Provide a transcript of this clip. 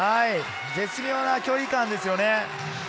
絶妙な距離感ですよね。